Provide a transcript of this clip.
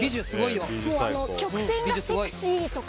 曲線がセクシーとか。